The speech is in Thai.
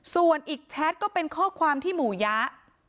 ส่วนอีกแชทก็เป็นข้อความที่หมู่ยะ